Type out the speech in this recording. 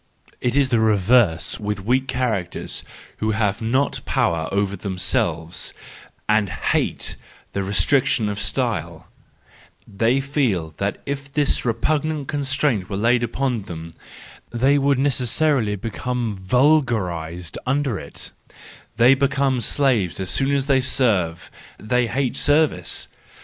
—It is the reverse with weak characters who have not power over themselves, and hate the restriction of style: they feel that if this repugnant constraint were laid upon them, they would necessarily become, vulgarised under it: they become slaves as soon as they serve, they hate service.